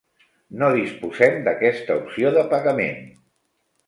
No disposem d'aquesta opció de pagament.